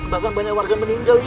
bahkan banyak wargan meninggal ini